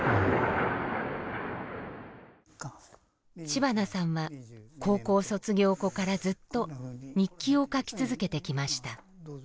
知花さんは高校卒業後からずっと日記を書き続けてきました。